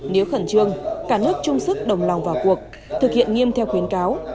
nếu khẩn trương cả nước chung sức đồng lòng vào cuộc thực hiện nghiêm theo khuyến cáo